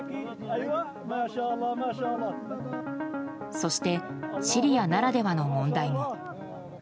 そしてシリアならではの問題も。